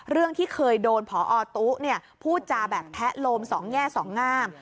เรื่องที่เคยโดนพอตู้พูดจาแบบแทะโลมสองแง่สองงาม